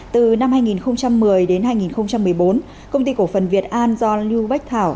từ năm hai nghìn một mươi đến hai nghìn một mươi bốn công ty cổ phần việt an do lưu bách thảo